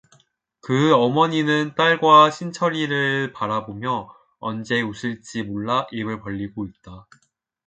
그의 어머니는 딸과 신철이를 바라보며 언제 웃을지 몰라 입을 벌리고 있다.